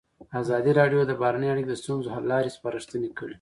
ازادي راډیو د بهرنۍ اړیکې د ستونزو حل لارې سپارښتنې کړي.